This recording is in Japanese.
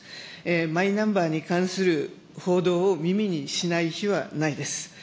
マイナンバーに関する報道を耳にしない日はないです。